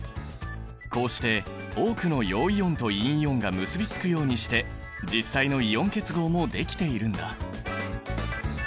こうして多くの陽イオンと陰イオンが結びつくようにして実際のイオン結合もできているんだ。